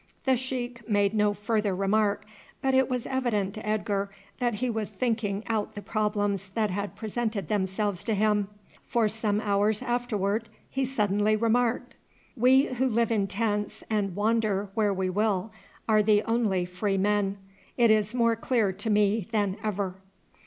The sheik made no further remark, but it was evident to Edgar that he was thinking out the problems that had presented themselves to him, for some hours afterwards he suddenly remarked, "We who live in tents and wander where we will are the only free men; it is more clear to me than ever."